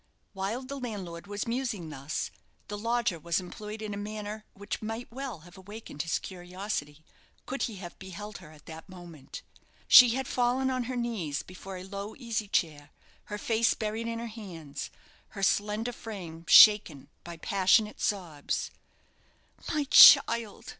While the landlord was musing thus, the lodger was employed in a manner which might well have awakened his curiosity, could he have beheld her at that moment. She had fallen on her knees before a low easy chair her face buried in her hands, her slender frame shaken by passionate sobs. "My child!"